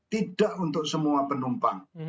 tidak untuk semua penumpang